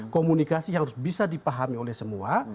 komunikasi yang harus bisa dipahami oleh semua